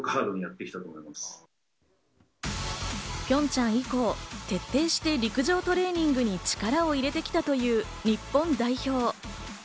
ピョンチャン以降、徹底して陸上トレーニングに力を入れてきたという日本代表。